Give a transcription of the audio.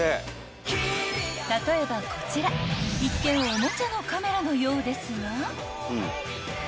［例えばこちら一見おもちゃのカメラのようですが］